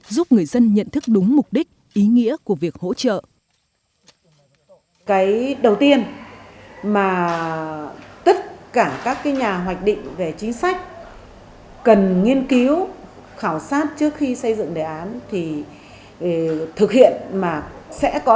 giúp người dân nhận thức đúng mục đích ý nghĩa của việc hỗ trợ